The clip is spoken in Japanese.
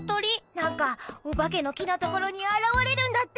なんかおばけのきのところにあらわれるんだって！